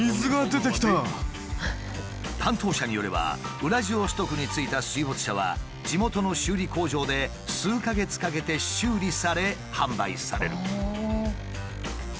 担当者によればウラジオストクに着いた水没車は地元の修理工場で数か月かけて修理され販売される。